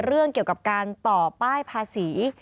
เรื่องเกี่ยวกับการต่อป้ายภาษี